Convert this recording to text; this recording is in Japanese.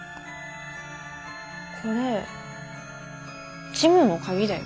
これジムの鍵だよ。